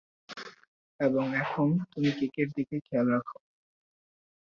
এবং এখন, তুমি কেকের দিকে খেয়াল রাখো।